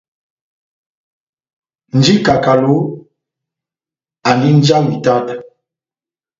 Nja wa ikakalo, andi nja wa itáta.